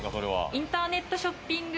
インターネットショッピング